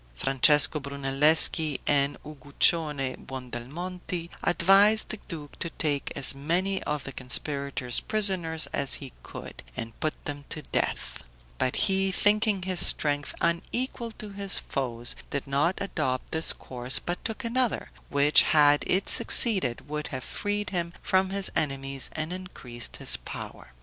Francesco Brunelleschi and Uguccione Buondelmonti advised the duke to take as many of the conspirators prisoners as he could, and put them to death; but he, thinking his strength unequal to his foes, did not adopt this course, but took another, which, had it succeeded, would have freed him from his enemies and increased his power.